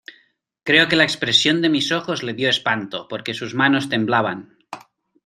creo que la expresión de mis ojos le dió espanto, porque sus manos temblaban.